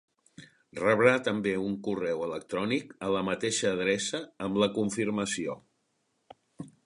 Rebrà també un correu electrònic a la mateixa adreça amb la confirmació.